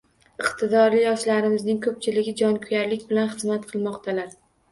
Iqtidorli yoshlarimizning ko‘pchiligi jonkuyarlik bilan xizmat qilmoqdalar.